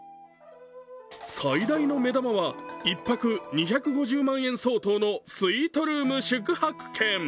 最大の目玉は１泊２５０万円相当のスイートルーム宿泊券。